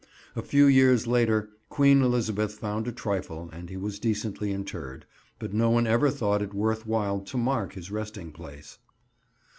A few years later, Queen Elizabeth found a trifle, and he was decently interred, but no one ever thought it worth while to mark his resting place.